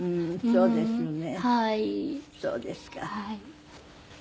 そうですね。